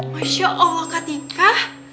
masya allah kak tika